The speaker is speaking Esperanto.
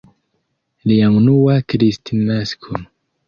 Lia unua Kristnasko!